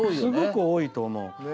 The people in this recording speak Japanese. すごく多いと思う。